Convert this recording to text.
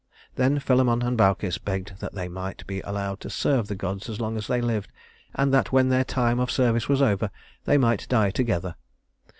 Then Philemon and Baucis begged that they might be allowed to serve the gods as long as they lived; and that when their time of service was over, they might die together.